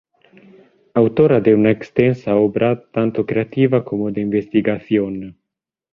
Autora de una extensa obra tanto creativa como de investigación.